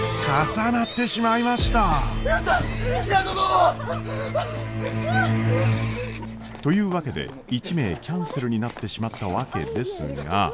やったぞ！というわけで１名キャンセルになってしまったわけですが。